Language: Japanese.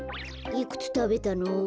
いくつたべたの？